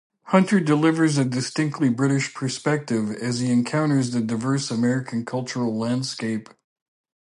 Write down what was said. Hunter delivers a distinctly British perspective as he encounters the diverse American cultural landscape.